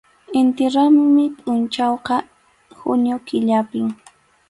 Inti raymi pʼunchawqa junio killapim.